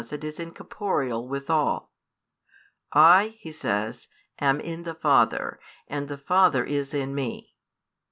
it is incorporeal withal: I, He says, am in the Father and the Father is in Me.